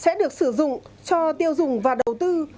số tiền thuế được giảm sẽ được sử dụng cho tiêu dùng và đầu tư